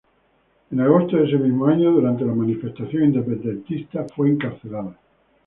En agosto de ese mismo año, durante una manifestación independentista, fue encarcelada.